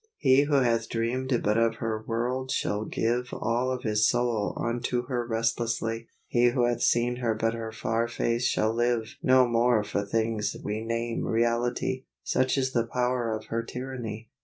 He who hath dreamed but of her world shall give All of his soul unto her restlessly: He who hath seen but her far face shall live No more for things we name reality: Such is the power of her tyranny.